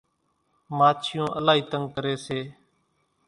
ماڇِيوُن الائِي تنڳ ڪريَ سي۔